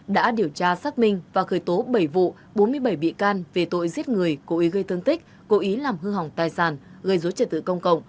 đã điều tra xác minh và khởi tố bảy vụ bốn mươi bảy bị can về tội giết người cố ý gây thương tích cố ý làm hư hỏng tài sản gây dối trật tự công cộng